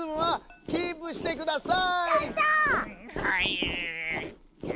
はい。